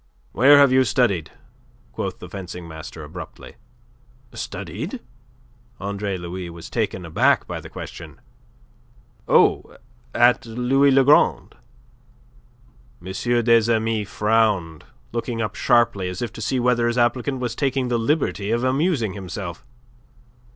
"Where have you studied?" quoth the fencing master abruptly. "Studied?" Andre Louis was taken aback by the question. "Oh, at Louis Le Grand." M. des Amis frowned, looking up sharply as if to see whether his applicant was taking the liberty of amusing himself.